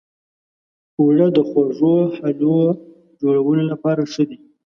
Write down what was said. اوړه د خوږو حلوو جوړولو لپاره ښه دي